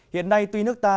hiện nay tuy nước ta